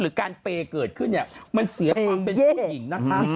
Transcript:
หรือการเปย์เกิดขึ้นเนี่ยมันเสียความเป็นผู้หญิงนะคะ